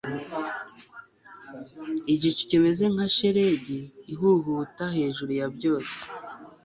Igicu kimeze nka shelegi ihuhuta hejuru ya byose